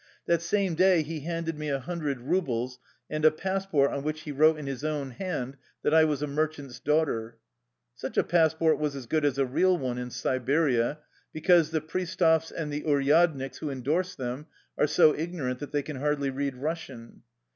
That same day he handed me a hundred rubles and a passport on which he wrote in his own hand that I was a "mer chant's daughter." Such a passport was as good as a real one in Siberia, because the pries tavs and the uryadniks who endorse them are so ignorant that they can hardly read Russian.